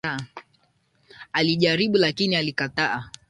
Alijaribu lakini alikataa.